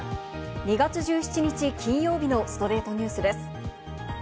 ２月１７日、金曜日の『ストレイトニュース』です。